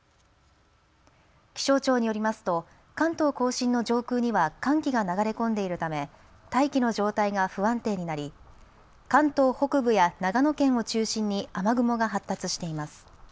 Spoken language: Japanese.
気象庁によりますと関東甲信の上空には寒気が流れ込んでいるため大気の状態が不安定になり関東北部や長野県を中心に雨雲が発達しています。